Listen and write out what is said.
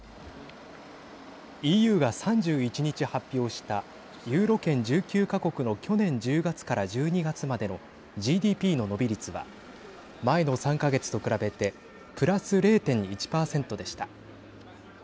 ＥＵが３１日発表したユーロ圏１９か国の去年１０月から１２月までのＧＤＰの伸び率は前の３か月と比べてプラス０．１％でした。